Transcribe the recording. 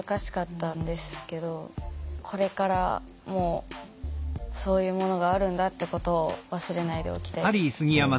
これからもそういうものがあるんだってことを忘れないでおきたいです。